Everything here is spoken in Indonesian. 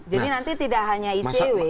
jadi nanti tidak hanya icw